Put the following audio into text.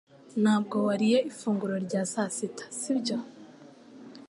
Ntabwo wariye ifunguro rya sasita sibyo